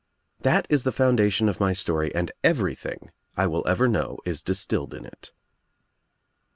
That is the foundation of my story and everything I will ever know is distilled in it.